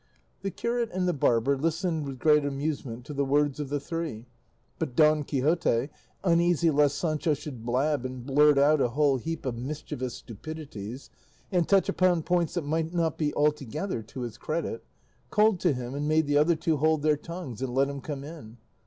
The curate and the barber listened with great amusement to the words of the three; but Don Quixote, uneasy lest Sancho should blab and blurt out a whole heap of mischievous stupidities, and touch upon points that might not be altogether to his credit, called to him and made the other two hold their tongues and let him come in.